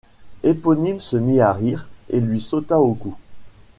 Éponine se mit à rire et lui sauta au cou.